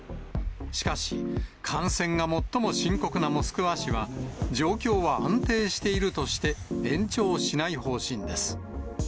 しかし、感染が最も深刻なモスクワ市は、状況は安定しているとして、延長しない方針です。